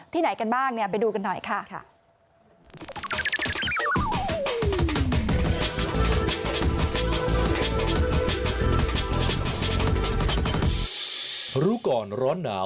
ที่ไหนกันบ้างไปดูกันหน่อยค่ะ